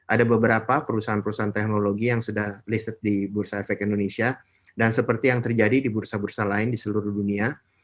ada beberapa perusahaan perusahaan teknologi yang sudah liset di bursa efek indonesia dan seperti yang terjadi di bursa bursa lain di seluruh dunia